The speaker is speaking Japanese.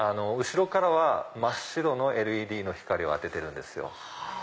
後ろからは真っ白のＬＥＤの光を当ててるんですよ。